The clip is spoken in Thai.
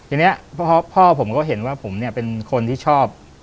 ทีนี้พ่อผมก็เห็นว่าผมเนี่ยเป็นคนที่ชอบ